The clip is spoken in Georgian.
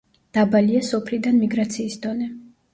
დაბალია სოფლიდან მიგრაციის დონე.